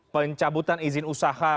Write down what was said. pencabutan izin usaha